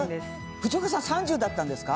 藤岡さん、３０だったんですか。